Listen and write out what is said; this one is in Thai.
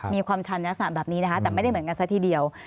มีความชันเนื้อสนามแบบนี้นะครับแต่ไม่ได้เหมือนกันซะทีเดียว